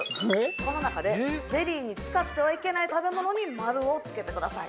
この中でゼリーに使ってはいけない食べ物に丸をつけてください。